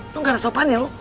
lu gak ada sopan ya lu